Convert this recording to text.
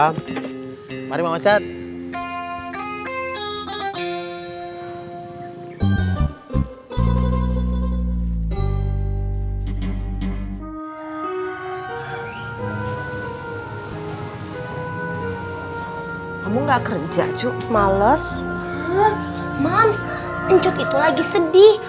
salam salam hari mau cat kamu enggak kerja cuk males mam enjut itu lagi sedih